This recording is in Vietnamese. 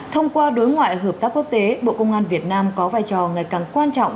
thông qua đối ngoại hợp tác quốc tế bộ công an việt nam có vai trò ngày càng quan trọng